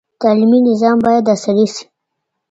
تعلیمي نظام باید عصري سي.